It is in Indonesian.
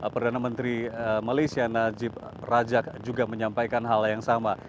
perdana menteri malaysia najib rajak juga menyampaikan hal yang sama